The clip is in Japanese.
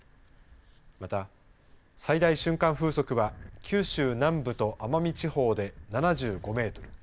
また、最大瞬間風速は九州南部と奄美地方で７５メートル。